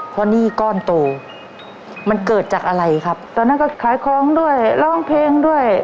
เพราะหนี้ก้อนโตมันเกิดจากอะไรครับตอนนั้นก็ขายของด้วยร้องเพลงด้วย